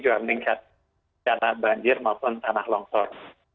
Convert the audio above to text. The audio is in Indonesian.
juga meningkat tanah banjir maupun tanah longsor